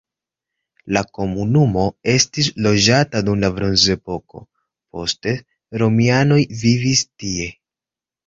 La komunumo estis loĝata dum la bronzepoko, poste romianoj vivis tie.